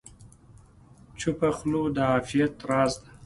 چپه خوله، د عافیت راز دی.